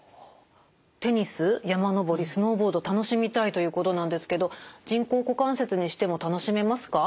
テニス山登りスノーボード楽しみたいということなんですけど人工股関節にしても楽しめますか？